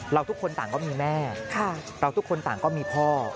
ทุกคนต่างก็มีแม่เราทุกคนต่างก็มีพ่อ